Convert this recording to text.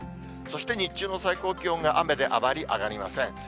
そして、日中の最高気温が雨で、あまり上がりません。